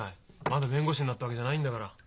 まだ弁護士になったわけじゃないんだから。